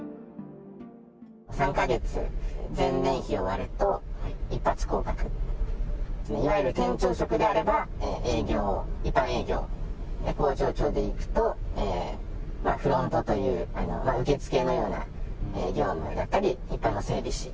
３か月前年比を割ると、一発降格。いわゆる店長職であれば営業、一般営業、工場長でいくとフロントという、受付のような業務だったり、一般の整備士。